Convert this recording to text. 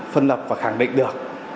phân lập và khẳng định được